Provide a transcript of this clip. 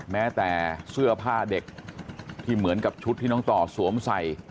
แม้แต่เสื้อผ้าเด็กที่เหมือนกับชุดที่น้องต่อสวมใส่